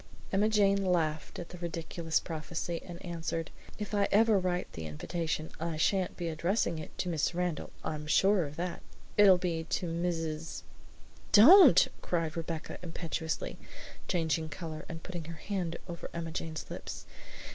Emma Jane laughed at the ridiculous prophecy, and answered: "If I ever write the invitation I shan't be addressing it to Miss Randall, I'm sure of that; it'll be to Mrs. " "Don't!" cried Rebecca impetuously, changing color and putting her hand over Emma Jane's lips.